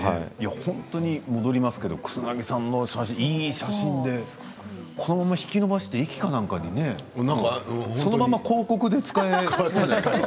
本当に戻りますけど草なぎさんの写真、いい写真でこのまま引き伸ばして駅とかにねそのまま広告で使えそうですよ